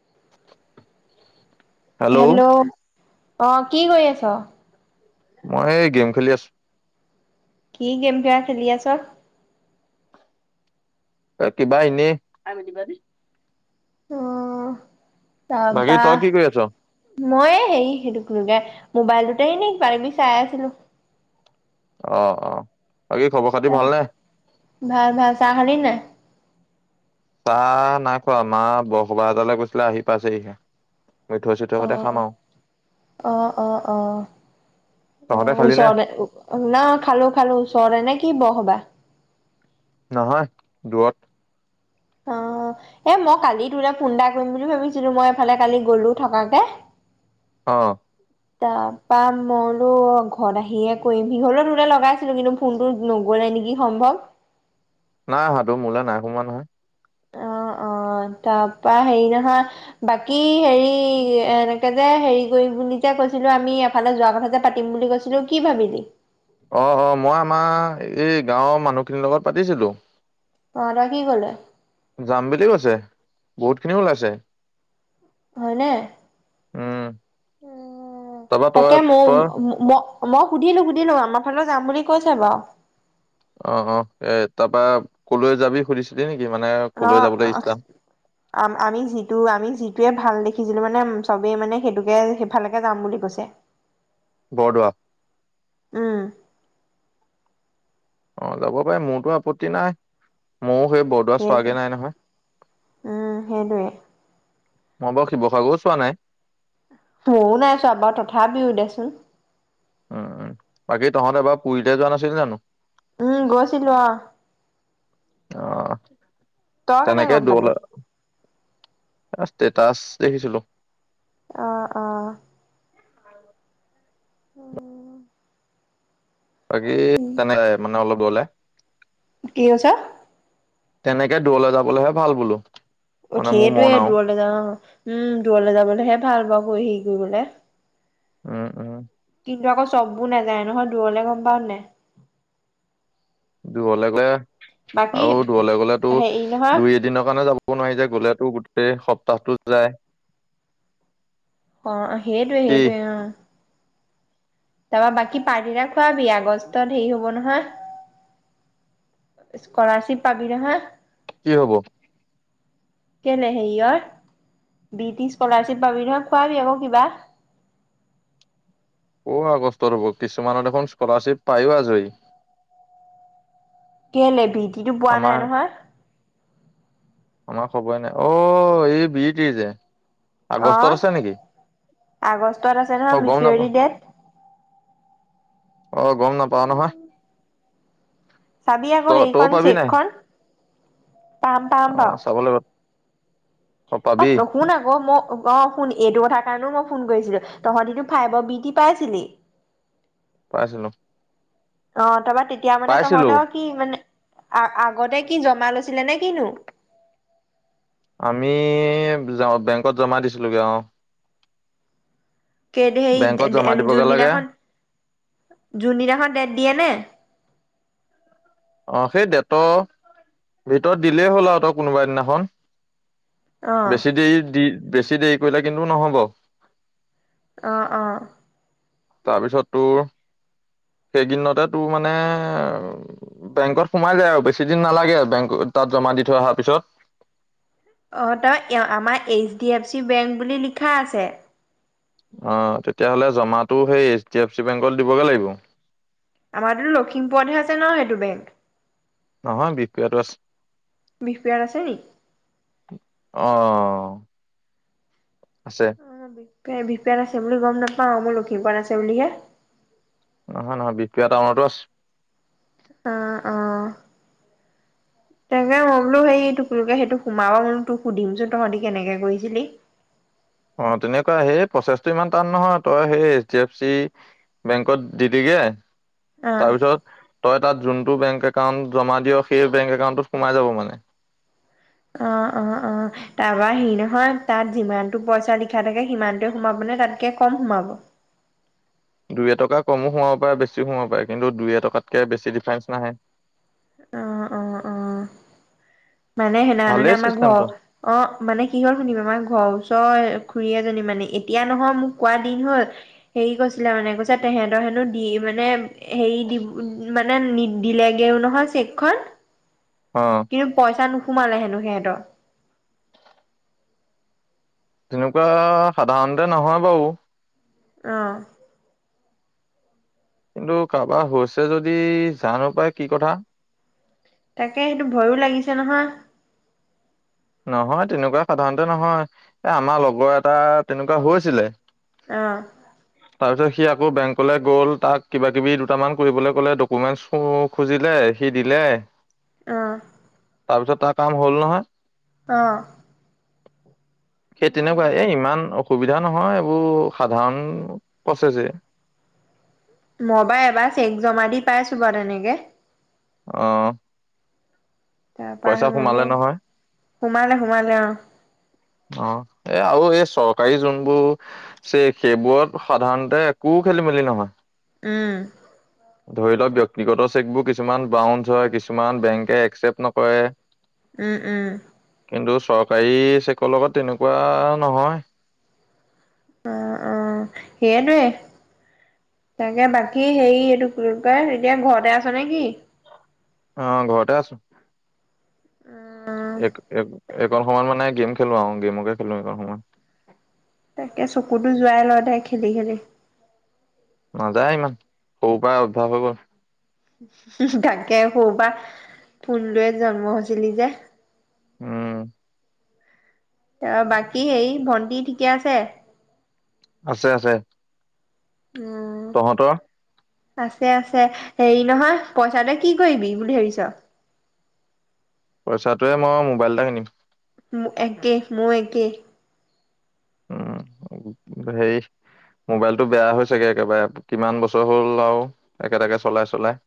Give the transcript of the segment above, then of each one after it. [inaudible] Hello অ কি কৰি আছো? মই এই গেম খেলি আছো [unintelligible] খেলি আছো অ কিবা এনেই আহ তাৰ বাকী পৰা, তই কি কৰি আছ মইয়ে হেৰি সেইটো কোগে মোবাইলটোতে এনে কিবা-কিবি চাই আছিলো। অ, অ। বাকী খবৰ খাতি ভাল, ভালনে ভাল চাহ খালি নে নাই? চাহ নাই খোৱা, মা বসবাহ এতলৈ কৈছিলে আহি পাইছেহি হে অ, অ, অ, অ, অ তহঁতে খালি নে ওচৰৰে না খালো খালো ওচৰৰে নে কি বসবা? নহয়, দূৰত আহ এ মই কালি তো ফোন এটা কৰিম বুলি ভাবিছিলো মই এফালে কালি গলো থকাকে। অ। তাৰপা মইলো ঘৰত আহিয়ে কৰিম, সিহৰো তোতে লগাইছিলো কিন্তু ফোনটো নগলে নেকি সম্ভৱ। নাই। সাধু মোলৈ নাই সোমোৱা নহয়। অ, অ, তাৰ পৰা হেৰি নহয়, বাকী হেৰি এনেকে যে হেৰি কৰিম বুলি যে কৈছিলো আমি, এফালে যোৱা কথা যে পাতিম বুলি কৈছিলো কি ভাবিলি? অ, অ, মই আমাৰ এই গাঁৱৰ মানুহ খিনিৰ লগত পাতিছিলো। [unintelligible] কি ক'লে? যাম বুলিও কৈছে, বহুত খিনিও ওলাইছে। হয়নে? উম তাৰপা তই তাকে মও, তই ' ম, মই সুধিলো -সুধিলো আমাৰ ফালেও যাম বুলি কৈছে বাৰু। অ, অ, এ', তাৰপা কলৈ যাবি সুধিছিলি নেকি? মানে কলৈ যাবলৈ অহ, ইচ্ছা আমি যিটো, আমি যিটোয়ে ভাল দেখি, দেখিছিলো মানে চবেই মানে সেইটোকে, সেইফালকে যাম বুলি কৈছে। বৰদুৱা। উম, অ, যাব পাৰে মোৰতো আপত্তি নাই, মইও, হৈ বৰদোৱা সেইটোৱে চোৱাগে নাই নহয়। উম, সেইটোৱে মই বাৰু শিৱসাগৰো চোৱা নাই। ময়ও নাই চোৱা বাৰু তথাপিও দেচোন। উম -উম বাকী তহঁত এবাৰ পুৰীতে যোৱা নাছিলি জানো? উম, গৈছিলোঁ আৰু। অহ, তেনেকে দল, পালি ষ্টেটাছ দেখিছিলো। অহ, - অহ, উম, বাকী তেনেক মানে অলপ গলে কি কৈছা? তেনেকে, দূৰলৈ যাবলৈহে ভাল বোলো। মানে মোৰ মন আও [unintelligible] ঘূৰিবলে। উম, -উম, কিন্তু, আকৌ চববোৰ নাযায় নহয় দূৰলে গম পাও নে নাই? দূৰলে গলে বাকী আৰু দূৰলে গলেতো হেৰি নহয় দুই, এদিনৰ কাৰণে যাব নোৱাৰি যে গ'লেতো গোটেই সপ, -তাতো যায়। অহ, ' সেইটোৱে কি -সেইটোৱে অহ, তাৰপা বাকী পাৰ্টি এটা খোৱাবি আগষ্টত হেৰি হব নহয়, স্কলাৰশ্বিপ পাবি নহয়? কি হব? কেলে হেৰিয়ৰ বি -টি -স্কলাৰশ্বিপ পাবি নহয় খোৱাবি আকৌ কিবা? অ', আগষ্ট ৰব, কিছুমানৰ দেখোন স্কলাৰশ্বিপ পায়ো আজৰি। কেলে বীদ, কিটো পোৱা নাই আমাৰ নহয়? আমাৰ খবৰে নাই অ', এই বি- টি যে, আগষ্টত অহ, আছে নেকি আগষ্টত আছে অ নহয় গম নাপা মিচয়ৰি ডেট। অহ, গম নাপাওঁ নহয়। চাবি ত আকৌ তইও সেইখন পাবি নাই চেকখন পাম অ চাব লাগ ত নুশুন আকৌ ম অ শুন এইটো কথাৰ কাৰণেও মই ফোন কৰিছিলো তহঁতিতো ফাইভৰ বি টি পাইছিলি পাইছিলো অ তা পা তেতিয়া মানে তহঁত পাইছিলো কি মানে আ আগতে কি জমা লৈ ছিলে কিনো আমি বেংকত জমা দিছিলোগে অ কেইদি সেই দে বেংকত দে জমা দিবগে লাগে যোনদিনাখন যোনদিনাখন ডেট দিয়ে নে অ সেই ডেটৰ ডেটত দিলেই হ'ল অহ তই কোনোবা দিনাখন অ বেছি দেৰি দি বেছি দেৰি কৰিলে কিন্তু নহব। অহ অহ। তাৰপিছত তোৰ সেইকেইদিনতে তোৰ মানে বেংকত সোমাই যায় আৰু বেছি দিন নালাগে বেংক তাত জমা দি থৈ অহাৰ পিছত! অ তই ইয়া আমাৰ H D F C bank বুলি লিখা আছে। অ তেতিয়াহ'লে জমাটো সেই এইচ ডি এফ চি বেংকলে দিবগে লাগিব? আমাৰ তো লখিমপুৰতহে আছে ন সেইটো বেংক? নহয় বিক কিয়তো আছে। বিহপিয়াত আছে নি? অ। আছে। তাকে বিহপিয়াত আছে বুলি গম নাপাও ম লখিমপুৰত আছে বুলিহে! নহয় নহয় বিহপিয়া টাউনতো আছে। অ অ তাকে মই বোলো সেই তোকে সেইটো সোমাব বোলো তোক সুধিমচোন তহঁতি কেনেকে কৰিছিলি! অ তেনেকুৱা সেই প্ৰচেছটো ইমান টান নহয় তই সেই এইচ ডি এফ চি বেংকত দি দেগে অ', তাৰপিছত তই তাত জুনত বেংক একাউণ্ট জমা দিয় সেই বেংক একাউণ্টটোত সোমাই যাব মানে। অ অ অ তাৰপৰা হেৰি নহয় তাত যিমানটো পইচা লিখা থাকে সিমানটোৱে সোমাব নে তাতকে কম সোমাব? দুই টকা কমো সোমাব পাৰে বেছিও সোমাব পাৰে কিন্তু দুই এটকাতকে বেছি ডিফাৰেন্ঞ্চ নাহে। অ', অ', অ'। মানে সেনা নানে ভালেই আমাৰ ঘৰ চিষ্টেমটো অ মানে কি হল শুনিব আমাৰ ঘৰ ওচৰ খুৰী এজনী মানে এতিয়া নহয় মোক কোৱা দিন হ'ল হেৰি কৈছিলে মানে কৈছে তেহেঁতৰ হেনো দি মানে হেৰি দি মানে নি দিলেগেও নহয় চেকখন! অ। ছা নোসুমালে হেনো সিহঁতৰ। তেনেকুৱা সাধাৰণতে নহয় বাও অহ। কিন্তু কাৰোবাৰ হৈছে যদি জানো পাই কি কথা! তাকে সেইটো ভয়ো লাগিছে নহয়! নহয় তেনেকুৱা সাধাৰণতে নহয় এ আমাৰ লগৰ এটা তেনেকুৱা হৈছিলে। আহ। তাৰপিছত সি আকৌ বেংকলে গ'ল তাক কিবা কিবি দুটামান কৰিবলে ক'লে ডকমেণ্টচ সমূহ খুজিলে সি দিলে আহ। তাৰপিছত তাৰ কাম হ'ল নহয়। আহ। সেই তেনেকুৱা এ ইমান অসুধা সুবিধা নহয় এইবোৰ সাধাৰণ প্ৰচেছ হে। মই বা এবাৰ চেক জমা দি পাইছোঁ বাৰু তেনেকে। আহ। তাৰ পৰা হে সোমাব নহয় সোমালে সোমালে অ। অ এই আৰু এই চৰকাৰী যোনবোৰ চেক সেইবোৰত সাধাৰণতে একো খেলি মেলি নহয়। উম। ধৰি লওক ব্যক্তিগত চেকবোৰ কিছুমান বাউঞ্চ হয় কিছুমান বেংকে একচেপ্ট নকৰে উম উম। কিন্তু চৰকাৰী চেকৰ লগত তেনেকুৱা নহয়। অ অ সেইয়াটোয়ে তাকে বাকী হেৰি এইটো এতিয়া ঘৰতে আছা নে কি অ ঘৰতে আছোঁ অ', এক এক এইকণ সময়ত মানে গেম খেলো আৰু গেমকে খেলো এইকণ সময় তাকে চকুতো যোৱাই ল দে খেলি খেলি নাযায় ইমান সৰু পৰা অভ্যাস হৈ গ'ল হোম তাকে সৰু পৰা ফোন লয়ে জন্ম হৈছিলি যে উম ত বাকী হেই ভন্টি ঠিকে আছে আছে আছে উম। তহঁতৰ আছে আছে হেৰি নহয় পইচা তই কি কৰিবি বুলি ভাবিছ পইচাটোৱে মই মোবাইল এটা কিনিম উম একে মও একে উম হে মোবাইলটো বেয়া হৈছেগে একেবাৰে কিমান বছৰ হ'ল আৱ একেটাকে চলাই চলাই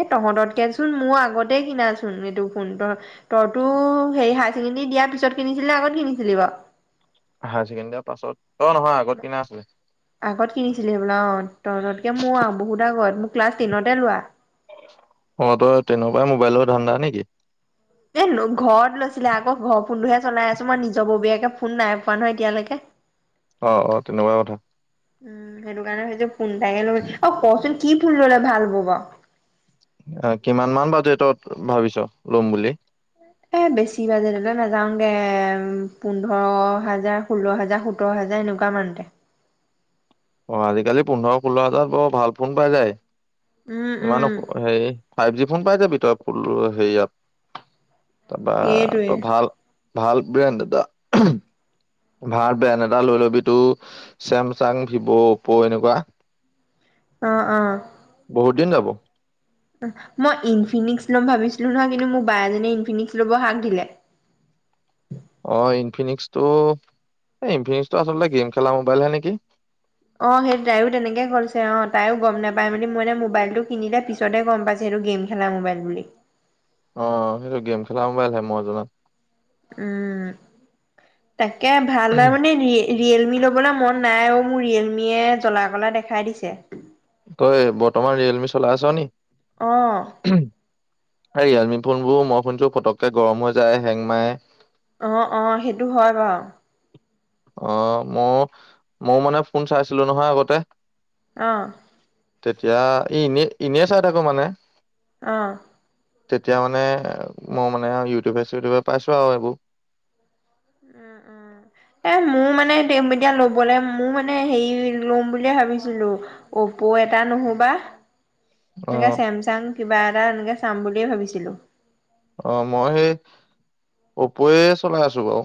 এ তহঁততকেচোন মোৰ আগতে কিনাচোন এইটো ফোন ত তইতো হেৰি হায় ছেকেণ্ডৰী দিয়াৰ পিছত কিনিছিলি আগত কিনিছিলি বাৱ হায় ছেকেণ্ডিৰ পাছত অ নহয় আগত কিনা আছিলে আগত কিনিছিলি হবলা অ তহঁততকে মোৰ বহুত আগত মোৰ ক্লাছ টেনতে লোৱা ধণ্ডা নেকি এ ঘৰত লৈছিলে আকৌ ঘৰৰ ফোনটোহে চলাই আছো মই নিজৰ ববীয়াকে ফোন নাই পোৱা নহয় এতিয়ালৈকে আহ অ তেনেকুৱা কথা উম সেইটো কাৰণে হয়তো ফোন তায়ে লৈ অ কচোন কি ফোন ললে ভাল হ'ব বাৱ আহ, কিমান মান বাজেটত ভাবিছ লম বুলি এ বেছি বাজেটলে নাযাওঁগে পোন্ধৰ হাজাৰ ষোল্ল হাজাৰ সোতৰ হাজাৰ এনেকুৱা মানতে অ আজিকালি পোন্ধৰ ষোল্ল হাজাৰ বৰ ভাল ফোন পাই যায় উম উম ইমানো হেৰি ফাইভ জি ফোন পাই যাবি পোন্ধৰ সেইয়াত তাৰপা সেইটোৱে তো ভাল। ভাল ব্ৰেণ্ড এটা। ভাল ব্ৰেণ্ড এটা লৈ ল'বি তইও চেমচাং, ভিভ', অপ্প' এনেকুৱা। অ' অ'। [inaudible] মই ইনফিনিক্স লম ভাবিছিলো নহয়, কিন্তু মোক বা এজনীয়ে ইনফিনিক্স লব হাক দিলে। অ' ইনফিনিক্সটো, এই ইনফিনিক্সটো আচলতে গেম খেলা মবাইলহে নেকি। অ সেই তাইও তেনেকে কৈছে তিনিটাৰ পিছতহে গম পাইছো সেইটো গেম খেলা মোবাইল বুলি। অ সেইটো গেম খেলা মোবাইলহে মই জনাত। উম। তাকে ভাল মানে ৰিয়েলমি লবলৈ মন নাই অ' মোৰ ৰিয়েলমিয়ে জ্বলা কলা দেখাই দিছে। তই বৰ্তমান ৰিয়েলমি চলাই আছ নি। অ'। ৰিয়েলমি ফোন বোৰ মই শুনিছো পটককে গৰম হৈ যায়, হেং মাৰে। অ' অ' সেইটো হয় বাৰু। অ' মই মইও মানে ফোন চলাইছিলো নহয় আগতে। অ'। তেতিয়া ই এনে, এনে চাই থাকো মানে। অঁ। তেতিয়া মানে, মই মানে ইউটিউবে চিউটিউবে পাইছো আৰু এইবোৰ। উম উম, এ মোৰ মানে এতিয়া লবলৈ মোৰ মানে হেৰি লম বুলিয়ে ভাবিছিলো অপ' এটা নহোবা। অ এনেকা চেমচাং। কিবা এটা এনেকে চাম বুলিয়ে ভাবিছিলো। অ' মই সেই অপ'য়ে চলাই আছো বাৰু।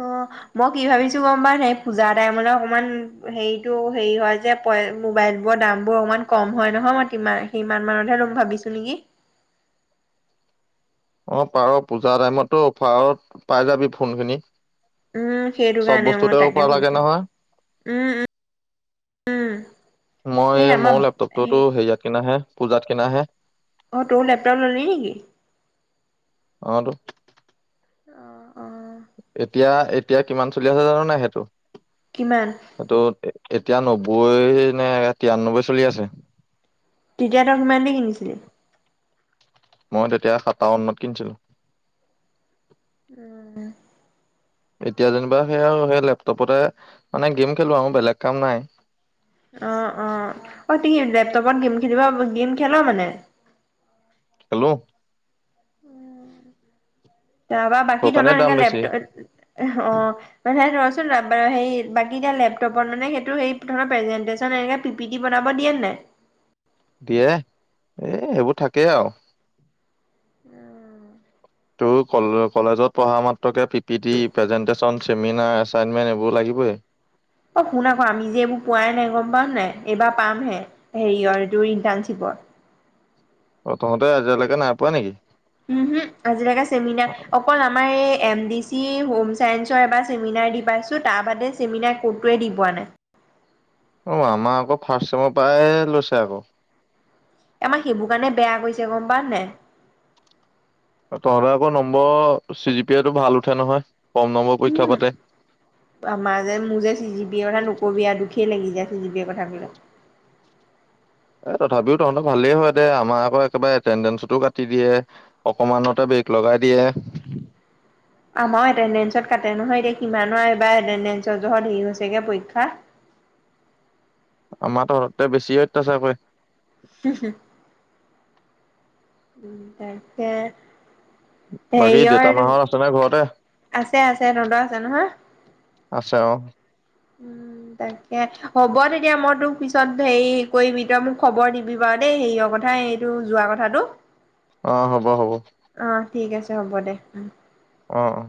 অ' মই কি ভাবিছো গম পাইচা এ পূজা টাইমলৈ অকমান হেৰিতটো হেৰি হয় যে পৰে মোবাইলবোৰ দামবোৰ অকমান কম হয় নহয় মই সিমান মানতহে লম ভাবিছো নেকি। অ' পাৰ পূজাৰ টাইমতো অফাৰত পাই যাবি ফোন খিনি। উম্ সেইটো চব কাৰণে বস্তুতে মই তাকে অফাৰ লাগে ভাবিছো নহয় উম, উম, উম। মই এই আমাৰ মোৰ লেপটপ হেৰি টোওতো হেৰিয়াত কিনি পূজাত কিনাহে। অ' তোৰ লেপটপ ললি নেকি? অ' টো। অ'। অ'। এতিয়া, এতিয়া কিমান চলি আছে জানা নাই সেইটো। কিমান? সেইটো এতিয়া নব্বৈ নে তিৰান্নব্বৈ চলি আছে। তেতিয়া তই কিমান দি কিনিছিলি? মই তেতিয়া সাতাৱন্নত কিনিছিলো। উম। এতিয়া যেনিবা সেয়া আৰু সেই লয়। লেপটপতে মানে গেম খেলো আৰু বেলেগ কাম নাই অ অ অ তুমি লেপটপত গেম খেলিব গেম খেল মানে খেলো তাৰপৰা সৌ বাকী কাৰণে ধৰণৰ দাম এনে বেছি লেপটপ অ মানে ধৰাচোন হ বাকী এতি লেপটপত মানে সেইটো প্ৰেজেটন এনে পি পিটি বনাব দিয়ে নাই? দিয়ে এ সেইবোৰ থাকেই আৰু উম তোৰ ক কলেজত পঢ়া মাত তই কা P PPT presentation seminar assignment এইবোৰ লাগিবেই। অ শুন আকৌ আমি যে এইবোৰ পোৱাই নাই গম পাও নাই এইবাৰ পামহে হেৰিৰ এইটো ইণ্টাৰ্ণশ্বিপত। অ তহঁতে এতিয়ালৈকে নাই পোৱা নেকি? উম হুম আজিলৈকে চেমিনাৰ অকল আমাৰ এই এম ডি দিম হোম চায়ন্সৰ এবাৰ চেমিনাৰ দি পাইছো তাৰ বাদে চেমিনাৰ ক'তোৱে দি পোৱা নাই। অ আমাৰ আকৌ ফাৰ্ষ্ট চেমৰ পাই লৈছে আকৌ। আমাৰ সেইবোৰ কাৰণে বেয়া কৰিছে গম পাওঁ নে নাই? তহঁতে আকৌ number C G P I টো ভাল উঠে নহয় কম নম্বৰ পৰীক্ষা উম পাতে আমাৰ যে মোৰ যে চি জি বি ৰ হে নু কবিয়া দুখেই লাগি যায় চি জি পিৰ কথা বিলাক এ তথাপিও তহঁতৰ ভালেই হয় দে আমাৰ আকৌ একেবাৰে এটেনডেঞ্চতো কাটি দিয়ে অকমানতে ব্ৰেক লগাই দিয়ে। আমাৰ এটেণ্ডেঞ্চত কাটে নহয় এতিয়া কিমানৰ এইবাৰ এটেডেঞ্চৰ জহত হেৰি হৈছেগে পৰীক্ষা। আমাৰ তহঁতকে বেছি অত্যাচাৰ কৰে। হু হু উম উম তাকে বাকী দেউতা হেৰিয়ৰ মাহত আছে নে ঘৰতে আছে আছে তহতৰ আছে নহয়। আছে অ উম তাকে হ'ব তেতিয়া মই তোক পিছত হেৰি কৰিবি তই মোক খবৰ দিবি বাৰু দেই হেৰিয়ৰ কথা সেইটো যোৱা কথাটো অ হ'ব হ'ব অ ঠিক আছে হ'ব দে অ অ